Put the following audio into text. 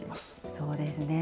そうですね。